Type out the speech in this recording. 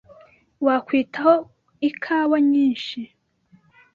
Wakwitaho ikawa nyinshi?